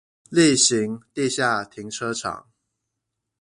力行地下停車場